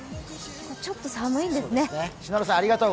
ちょっと寒いんですね。